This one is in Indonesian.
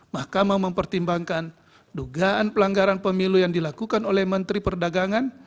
mahkamah mempertimbangkan dugaan pelanggaran pemilu yang dilakukan oleh menteri perdagangan